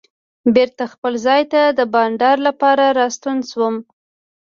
بېرته خپل ځای ته د بانډار لپاره راستون شوم.